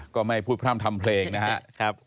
ก็ไม่พูดพร่ำทำเพลงนะครับ